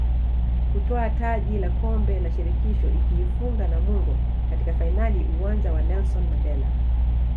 kutwaa taji la Kombe la Shirikisho ikiifunga Namungo katika fainali Uwanja wa Nelson Mandela